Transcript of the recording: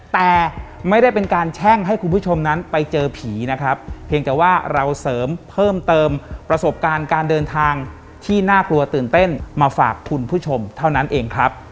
แต่ไม่ได้เป็นการแช่งให้คุณผู้ชมนั้นไปเจอผีนะครับเพียงแต่ว่าเราเสริมเพิ่มเติมประสบการณ์การเดินทางที่น่ากลัวตื่นเต้นมาฝากคุณผู้ชมเท่านั้นเองครับ